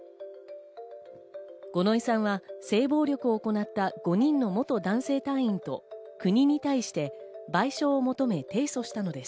五ノ井さんは性暴力を行った５人の元男性隊員と国に対して賠償を求め提訴したのです。